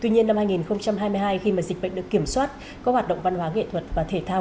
tuy nhiên năm hai nghìn hai mươi hai khi mà dịch bệnh được kiểm soát các hoạt động văn hóa nghệ thuật và thể thao